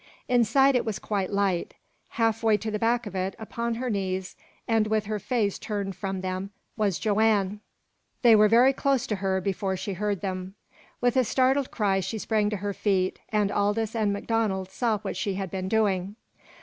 Inside it was quite light. Halfway to the back of it, upon her knees, and with her face turned from them, was Joanne. They were very close to her before she heard them. With a startled cry she sprang to her feet, and Aldous and MacDonald saw what she had been doing.